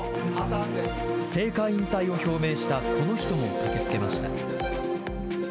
政界引退を表明した、この人も駆けつけました。